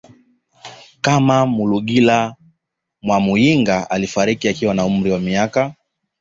kama Malugila Mwamuyinga aliyefariki akiwa na umri wa miaka